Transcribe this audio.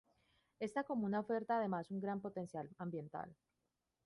Esta comuna oferta además un gran potencial ambiental.